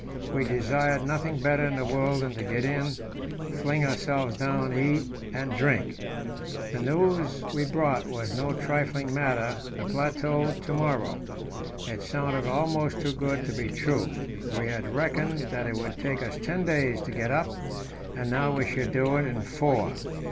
We desired nothing better in the world than to get in, fling ourselves down, eat, and drink. The news we brought was no trifling matter the plateau to morrow. It sounded almost too good to be true; we had reckoned that it would take us ten days to get up, and now we should do it in four.